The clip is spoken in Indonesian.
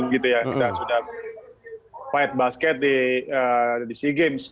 kita sudah pahit basket di sea games